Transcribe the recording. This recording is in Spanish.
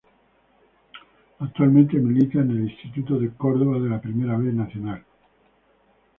Actualmente milita en Instituto de Córdoba de la Primera B Nacional.